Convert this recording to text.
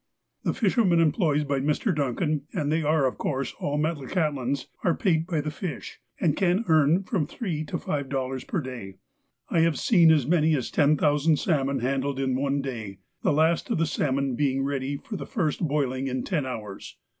The fishermen employed by Mr. Duncan, and they are of course all Metlakahtlans, are paid by the fish, and can earn from three to five dollars per day. I have seen as many as ten thousand salmon handled in one day, the last of the salmon being ready for the first boiling in ten hours.